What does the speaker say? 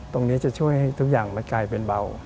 จะช่วยให้ทุกอย่างมันกลายเป็นเบา